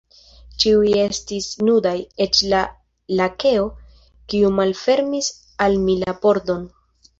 Ĉiuj estis nudaj, eĉ la lakeo, kiu malfermis al mi la pordon.